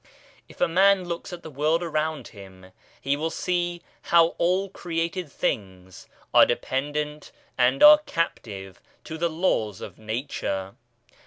If a man looks at the world around him, he will see how all created things are dependent and are captive to the laws of Nature.